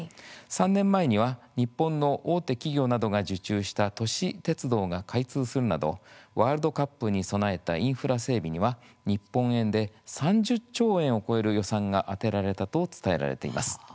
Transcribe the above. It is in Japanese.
３年前には日本の大手企業などが受注した都市鉄道が開通するなどワールドカップに備えたインフラ整備には日本円で３０兆円を超える予算が充てられたと伝えられています。